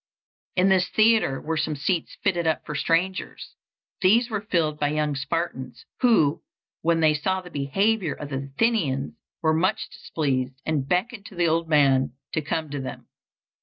In this theatre were some seats fitted up for strangers. These were filled by young Spartans, who, when they saw the behavior of the Athenians, were much displeased, and beckoned to the old man to come to them.